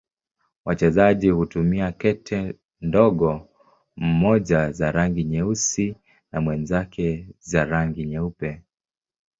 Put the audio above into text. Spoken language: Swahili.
Wachezaji hutumia kete ndogo, mmoja za rangi nyeusi na mwenzake za rangi nyeupe.